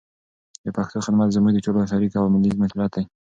د پښتو خدمت زموږ د ټولو شریک او ملي مسولیت دی.